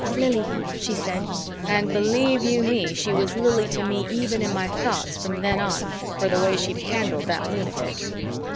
"Lili," she said, and believe you me, she was Lili to me even in my thoughts from then on, for the way she'd handled that lunatic.